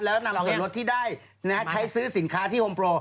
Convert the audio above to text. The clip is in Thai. แล้วนำส่วนรถที่ได้ใช้ซื้อสินค้าที่โฮมโปร